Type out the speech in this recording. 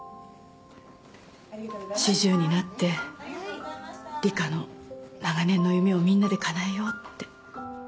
四十になって里香の長年の夢をみんなでかなえようって。